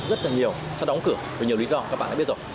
rất là nhiều sẽ đóng cửa vì nhiều lý do các bạn đã biết rồi